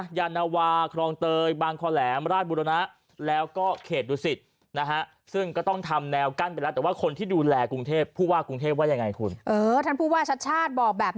หญ่าต้วาคลองเตยบางคลแหลมราชบุรณะแล้วก็เขตดุสิต